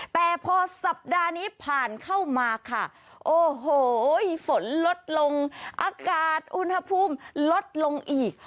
แต่พอสัปดาห์นี้ผ่านเข้ามาค่ะโอ้โหฝนลดลงอากาศอุณหภูมิลดลงอีก